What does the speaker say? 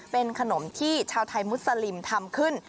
เป็นขนมที่ชาวไทยมุสลิมทำขึ้น